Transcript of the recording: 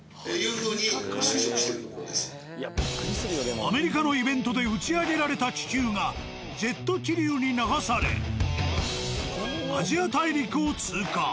アメリカのイベントで打ち上げられた気球がジェット気流に流されアジア大陸を通過。